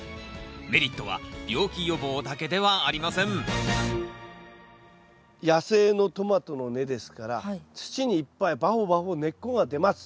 メリットは病気予防だけではありません野生のトマトの根ですから土にいっぱいばほばほ根っこが出ます。